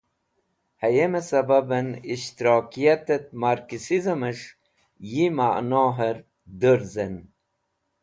Hayeme sababen Ishtirakiyatet Marksism es̃h yi Ma’noher durzan.